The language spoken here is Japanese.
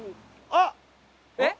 あっ！